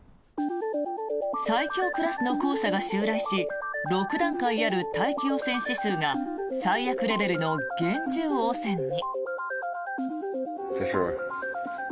最強クラスの黄砂が襲来し６段階ある大気汚染指数が最悪レベルの厳重汚染に。